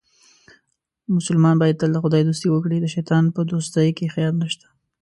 مسلمان باید تل د خدای دوستي وکړي، د شیطان په دوستۍ کې خیر نشته.